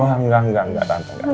wah enggak enggak enggak